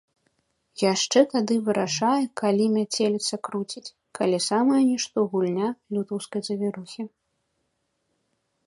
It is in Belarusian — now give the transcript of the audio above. Яшчэ тады вырашае, калі мяцеліца круціць, калі самая нішто гульня лютаўскай завірухі.